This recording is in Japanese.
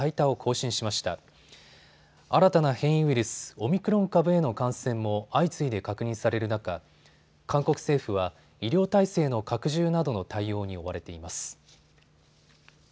新たな変異ウイルス、オミクロン株への感染も相次いで確認される中、韓国政府は医療体制の拡充などの対応に追われています。